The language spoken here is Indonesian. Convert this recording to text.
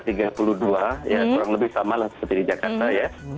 sekitar tiga puluh dua kurang lebih sama seperti di jakarta ya